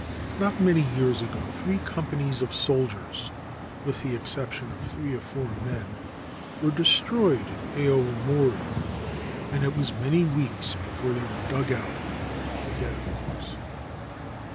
Not many years ago three companies of soldiers, with the exception of three or four men, were destroyed in Aowomori ; and it was many weeks before they were dug out, dead of course.